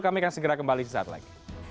kami akan segera kembali di saat lain